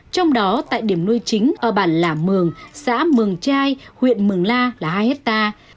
trong đó tại điểm nuôi chính ở bản lả mường xã mường trai huyện mường la là hai hectare